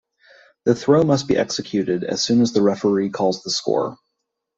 The throw must be executed as soon as the referee calls the score.